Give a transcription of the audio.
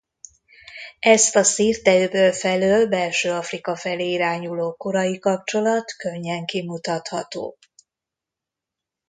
Ezt a Szirte-öböl felől Belső-Afrika felé irányuló korai kapcsolat könnyen kimutatható.